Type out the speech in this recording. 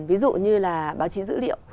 ví dụ như là báo chí dữ liệu